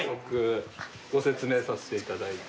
ご説明させていただいて。